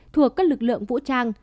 thuộc các lực lượng vũ trang